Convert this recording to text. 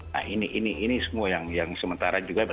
nah ini semua yang sementara juga